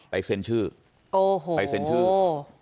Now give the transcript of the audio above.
ไปเส้นชื่อโอ้โหไปเส้นชื่อ